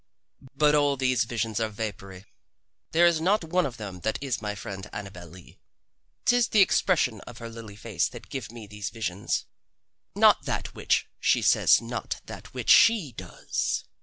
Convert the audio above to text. But all these visions are vapory. There is not one of them that is my friend Annabel Lee. 'Tis the expressions of her lily face that give me these visions not that which she says nor that which she does.